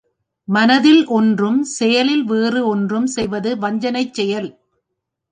மனத்தில் ஒன்றும் செயலில் வேறு ஒன்றும் செய்வது வஞ்சனைச் செயல்.